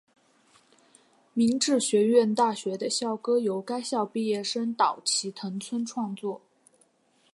明治学院大学的校歌由该校毕业生岛崎藤村创作。